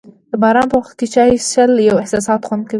د باران په وخت چای څښل یو احساساتي خوند لري.